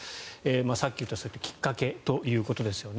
さっき言ったきっかけということですよね。